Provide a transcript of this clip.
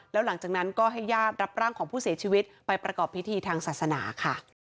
แล้วหลังจากนั้นก็ให้ญาติรับร่างของผู้เสียชีวิตไปประกอบพิธีทางศาสนาค่ะ